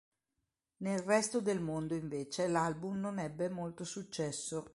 Nel resto del mondo, invece, l'album non ebbe molto successo.